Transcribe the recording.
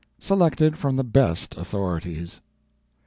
_Selected from the Best Authorities.